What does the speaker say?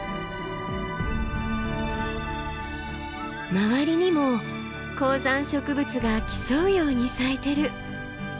周りにも高山植物が競うように咲いてる。